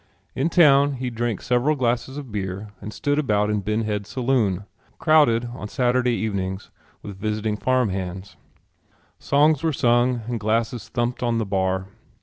In town he drank several glasses of beer and stood about in Ben Head's saloon crowded on Saturday evenings with visiting farm hands. Songs were sung and glasses thumped on the bar.